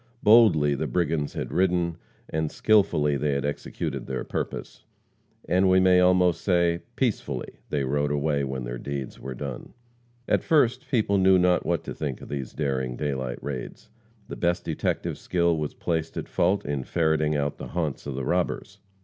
Boldly the brigands had ridden, and skillfully they had executed their purpose, and, we may almost say, peacefully they rode away when their deeds were done. At first, people knew not what to think of these daring daylight raids. The best detective skill was placed at fault in ferreting out the haunts of the robbers.